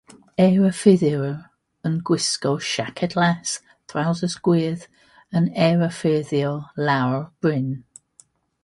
Eirafyrddiwr, yn gwisgo siaced las throwsus gwyrdd yn eirafyrddio lawr bryn.